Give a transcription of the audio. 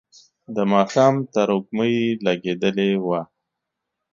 د ماښام تروږمۍ لګېدلې وه.